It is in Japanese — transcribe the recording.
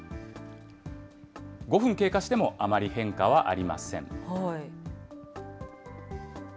５分経過しても、あまり変化はありません。